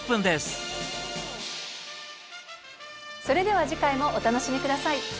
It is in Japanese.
それでは次回もお楽しみ下さい。